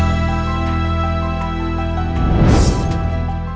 สวัสดีครับ